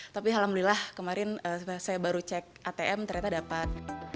tapi alhamdulillah kemarin saya baru cek atm ternyata dapat